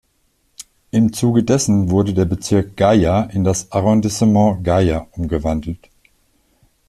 Im Zuge dessen wurde der Bezirk Gaya in das Arrondissement Gaya umgewandelt.